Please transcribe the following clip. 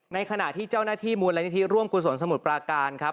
ในขณะที่เจ้าหน้าที่มูลนิธิร่วมกุศลสมุทรปราการครับ